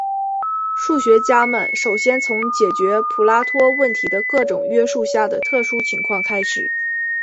数学家们首先从解决普拉托问题的各种约束下的特殊情况开始。